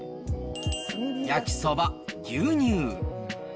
焼きそば、牛乳。